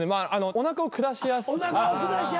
おなかをくだしやすい。